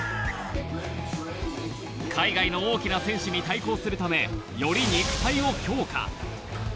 海外の大きな選手に対抗するため、より肉体を強化。